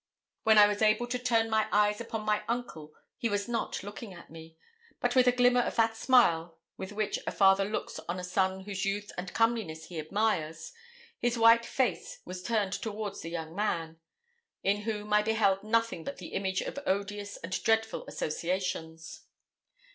When I was able to turn my eyes upon my uncle he was not looking at me; but with a glimmer of that smile with which a father looks on a son whose youth and comeliness he admires, his white face was turned towards the young man, in whom I beheld nothing but the image of odious and dreadful associations.